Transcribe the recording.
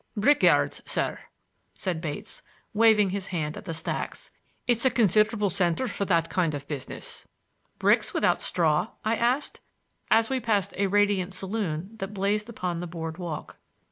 "Brick yards, sir," said Bates, waving his hand at the stacks. "It's a considerable center for that kind of business." "Bricks without straw?" I asked, as we passed a radiant saloon that blazed upon the board walk.